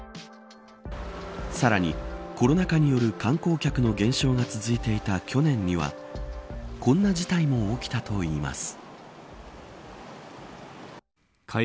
さらに、コロナ禍による観光客の減少が続いていた去年にはこんな事態も起きたといいます。